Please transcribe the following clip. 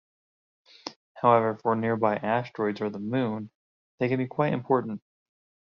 However, for nearby asteroids or the Moon, they can be quite important.